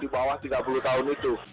di bawah tiga puluh tahun itu